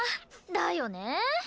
だよね。